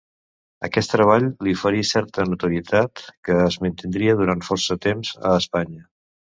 Aquest treball li oferí certa notorietat que es mantindria durant força temps a Espanya.